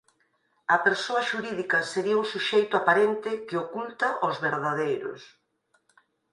A persoa xurídica sería un suxeito aparente que oculta ós verdadeiros.